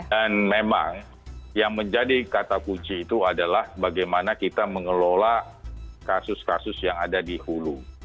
dan memang yang menjadi kata kunci itu adalah bagaimana kita mengelola kasus kasus yang ada di hulu